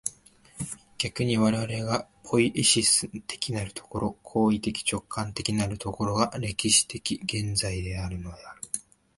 逆に我々がポイエシス的なる所、行為的直観的なる所が、歴史的現在であるのである。